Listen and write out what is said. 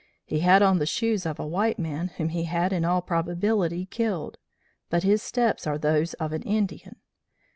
He had on the shoes of a white man whom he had in all probability killed, but his steps are those of an Indian.